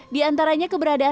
di antaranya keberadaan